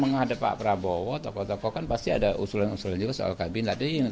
yang ada pak prabowo tokoh tokoh kan pasti ada usulan usulan juga soal kabin tadi yang